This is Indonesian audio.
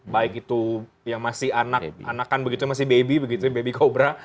baik itu yang masih anak anak kan begitu masih baby baby kobra